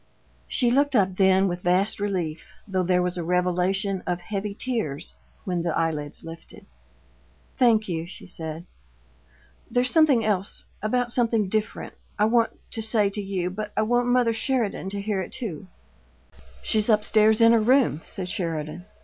She looked up then with vast relief, though there was a revelation of heavy tears when the eyelids lifted. "Thank you," she said. "There's something else about something different I want to say to you, but I want mother Sheridan to hear it, too." "She's up stairs in her room," said Sheridan.